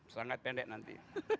sangat pendek nanti